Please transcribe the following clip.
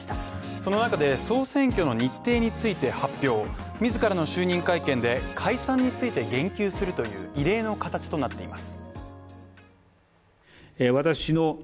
その中で総選挙の日程について発表、自らの就任会見で解散について言及するという異例の形となっています。